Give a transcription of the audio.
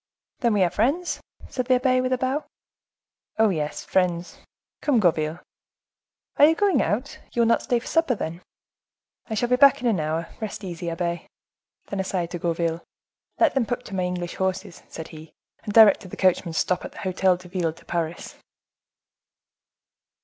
"Then we are friends?" said the abbe, with a bow. "Oh, yes, friends. Come, Gourville." "Are you going out? You will not stay to supper, then?" "I shall be back in an hour; rest easy, abbe." Then aside to Gourville,—"Let them put to my English horses," said he, "and direct the coachman to stop at the Hotel de Ville de Paris."